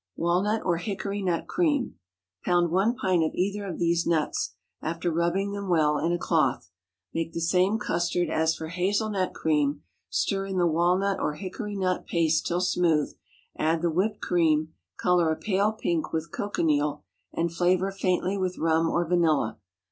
Walnut or Hickory nut Cream. Pound one pint of either of these nuts, after rubbing them well in a cloth, make the same custard as for hazel nut cream, stir in the walnut or hickory nut paste till smooth, add the whipped cream, color a pale pink with cochineal, and flavor faintly with rum or vanilla.